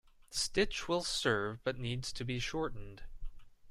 The stitch will serve but needs to be shortened.